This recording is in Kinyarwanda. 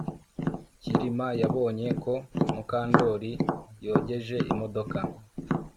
Kirima yabonye ko Mukandoli yogeje imodoka